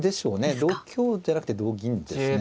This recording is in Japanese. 同香じゃなくて同銀ですね。